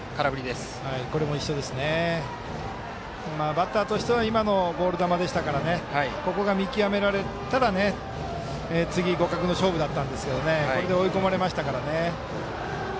バッターとしては今のボール球でしたからここが見極められたら次、互角の勝負だったんですけどこれで追い込まれましたからね。